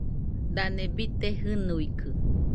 Dane bite jɨnuikɨ?